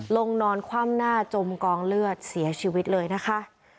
นอนคว่ำหน้าจมกองเลือดเสียชีวิตเลยนะคะ